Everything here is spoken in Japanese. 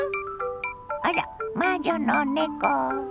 あらっ魔女の猫。